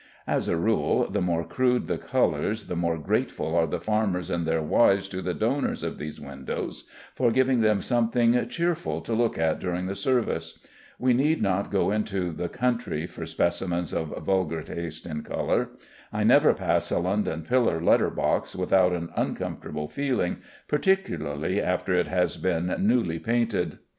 As a rule, the more crude the colors, the more grateful are the farmers and their wives to the donors of these windows for giving them something cheerful to look at during the service. We need not go into the country for specimens of vulgar taste in color. I never pass a London pillar letter box without an uncomfortable feeling, particularly after it has been newly painted.